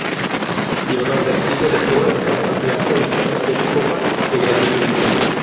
Llevaban castillo de proa, bastante alto, y castillo de popa de grandes dimensiones.